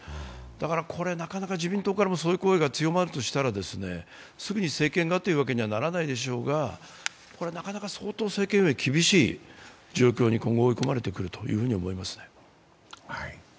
だから、なかなか自民党からもそういう声が強まるとしたら、すぐに政権がということにはならないでしょうが、相当、政権運営、厳しい状況に今後追い込まれて来ると思いますね。